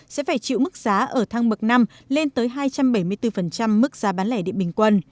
sẽ phải chịu mức giá ở thang bậc năm lên tới hai trăm bảy mươi bốn mức giá bán lẻ điện bình quân